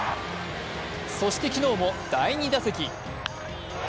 そして昨日も第２打席。